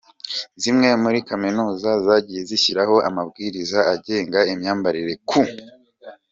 zimwe muri kaminuza zagiye zishyiraho amabwiriza agenga imyambarire ku